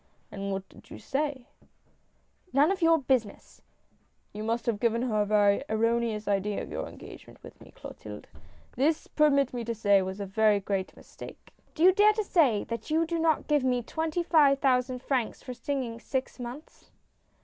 " And what did you say ?"" None of your business !"" You must have given her a very erroneous idea of your engagement with me, Clotilde. This, permit me to say, was a very great mistake." " Do you dare to say that you do not give me twenty five thousand francs for singing six months